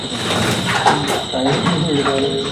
ভাই চমৎকার মুভি, তাই না?